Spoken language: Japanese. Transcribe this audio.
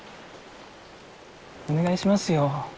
お願いしますよ。